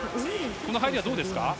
この入りはどうですか？